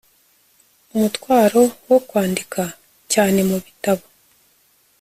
umutwaro wo kwandika cyanemubitabo